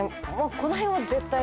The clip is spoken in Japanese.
このへんは絶対。